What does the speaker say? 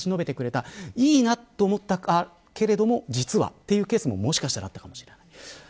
いいなと思ったけれども、実はというケースももしかしたらあったかもしれない。